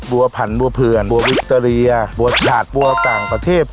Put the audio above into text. บัวพันธุ์บัวเพื่อนบัววิตเตอรียะบัวสัดบัวกลางขวาเทพ